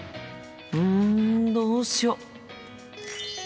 うんどうしよう。